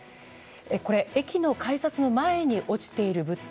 これ、駅の改札の前に落ちている物体。